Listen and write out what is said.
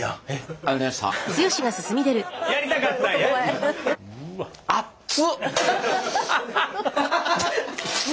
あっつ！